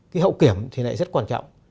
cái hậu kiểm thì lại rất quan trọng